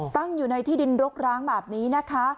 ตั้งอยู่ในที่ดินรกร้างแบบนี้นะคะ